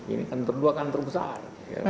ini dua kantor besar